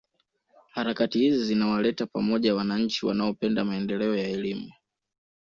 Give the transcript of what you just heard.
Harakati hizi zinawaleta pamoja wananchi wanaopenda maendeleo ya elimu